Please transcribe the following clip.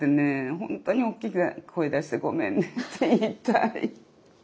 本当に大きな声出して「ごめんね」って言いたい。